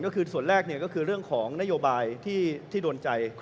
ก็คือส่วนแรกก็คือเรื่องของนโยบายที่โดนใจ